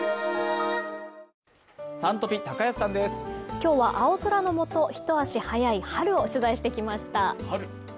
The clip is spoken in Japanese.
今日は青空のもと一足早い春を取材してきました。